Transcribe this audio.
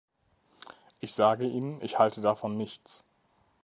Ich sage Ihnen, ich halte davon nichts!